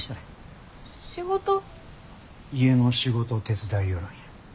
家の仕事手伝いよるんや。